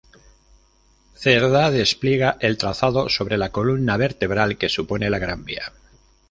Cerdá despliega el trazado sobre la columna vertebral que supone la Gran Vía.